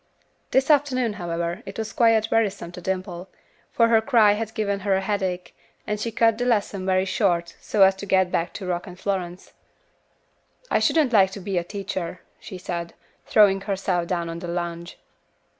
This afternoon, however, it was quite wearisome to Dimple, for her cry had given her a headache, and she cut the lesson very short so as to get back to Rock and Florence. "I shouldn't like to be a teacher," she said, throwing herself down on the lounge.